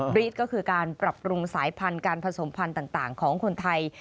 รีดก็คือการปรับปรุงสายพันธุ์การผสมพันธุ์ต่างของคนไทย